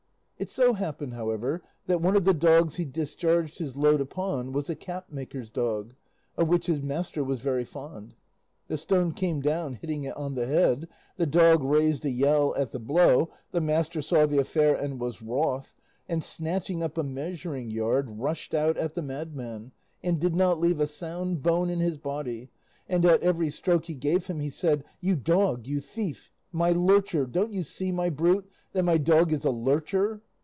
It so happened, however, that one of the dogs he discharged his load upon was a cap maker's dog, of which his master was very fond. The stone came down hitting it on the head, the dog raised a yell at the blow, the master saw the affair and was wroth, and snatching up a measuring yard rushed out at the madman and did not leave a sound bone in his body, and at every stroke he gave him he said, "You dog, you thief! my lurcher! Don't you see, you brute, that my dog is a lurcher?"